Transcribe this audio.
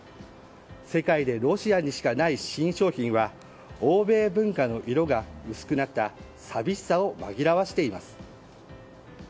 世界でロシアにしかない新商品は欧米文化の色が薄くなった寂しさを紛らわせています。